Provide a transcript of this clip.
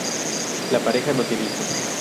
La pareja no tiene hijos.